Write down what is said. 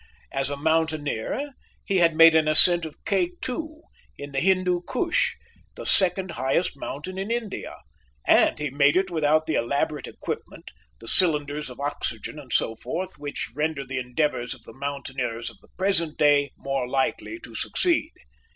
As a mountaineer, he had made an ascent of K2 in the Hindu Kush, the second highest mountain in India, and he made it without the elaborate equipment, the cylinders of oxygen and so forth, which render the endeavours of the mountaineers of the present day more likely to succeed.